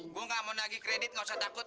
gua gak mau nagih kredit gak usah takut